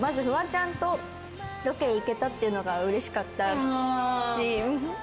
フワちゃんとロケ行けたっていうのがうれしかったし。